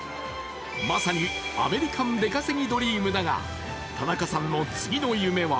まさにアメリカン出稼ぎドリームだが、田中さんの次の夢は